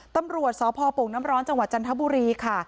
ตำรวจสพโป่งน้ำร้อนจังหวัดจันทบุรีค่ะ